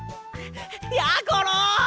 やころ！